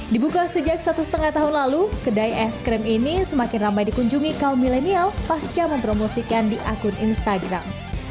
dibuka sejak satu setengah tahun lalu kedai es krim ini semakin ramai dikunjungi kaum milenial pasca mempromosikan di akun instagram